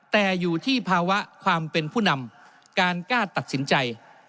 แต่อยู่ที่ภาวะความเป็นผู้นำการกล้าตัดสินใจ